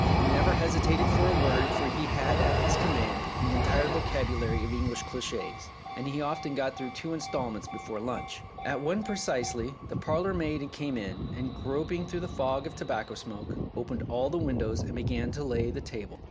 He never hesitated for a word, for he had at his com mand the entire vocabulary of English cliches, and he often got through two instalments before lunch. At one precisely the parlourmaid came in, and groping through the fog of tobacco smoke, opened all the windows and began to lay the table.